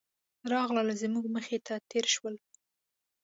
راغلل او زموږ مخې ته تېر شول.